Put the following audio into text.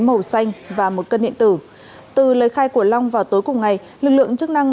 màu xanh và một cân điện tử từ lời khai của long vào tối cùng ngày lực lượng chức năng